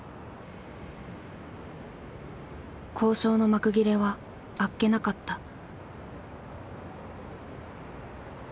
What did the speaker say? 交渉の幕切れはあっけなかった。